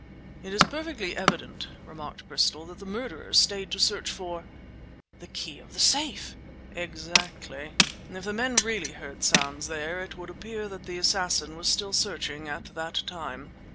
"It is perfectly evident," remarked Bristol, "that the murderer stayed to search for—" "The key of the safe!" "Exactly. If the men really heard sounds here, it would appear that the assassin was still searching at that time."